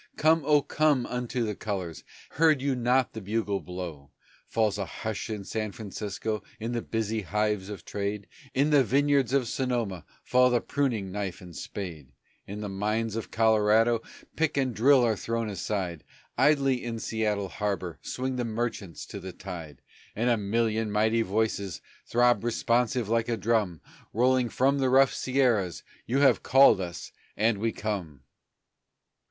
'Come, oh, come, unto the colors!' Heard you not the bugle blow?" Falls a hush in San Francisco In the busy hives of trade; In the vineyards of Sonoma Fall the pruning knife and spade; In the mines of Colorado Pick and drill are thrown aside; Idly in Seattle harbor Swing the merchants to the tide; And a million mighty voices Throb responsive like a drum, Rolling from the rough Sierras, "You have called us, and we come."